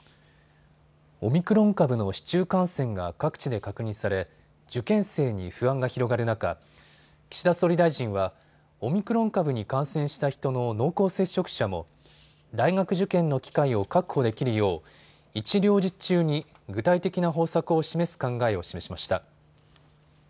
オミクロン株の市中感染が各地で確認され受験生に不安が広がる中、岸田総理大臣はオミクロン株に感染した人の濃厚接触者も大学受験の機会を確保できるよう一両日中に具体的な方策を示す考えを示しました。